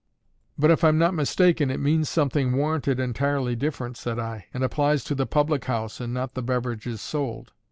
"But if I'm not mistaken, it means something Warranted Entirely different," said I, "and applies to the public house, and not the beverages sold."